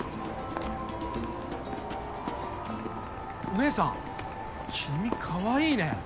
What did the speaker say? おねえさん君かわいいね。